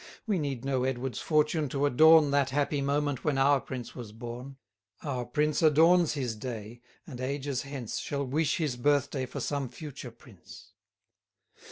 We need no Edward's fortune to adorn That happy moment when our prince was born: Our prince adorns his day, and ages hence Shall wish his birth day for some future prince.